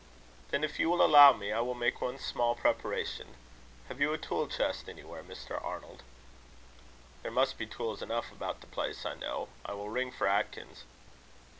"Then if you will allow me, I will make one small preparation. Have you a tool chest anywhere, Mr. Arnold?" "There must be tools enough about the place, I know. I will ring for Atkins."